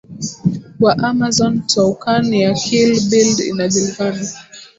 wa Amazon toucan ya keel billed inajulikana